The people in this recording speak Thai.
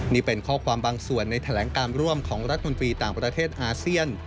นี่เป็นข้อความบางส่วนในแถลงการร่วมของรัฐมนตรีต่างประเทศอาเซียน